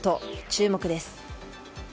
注目です。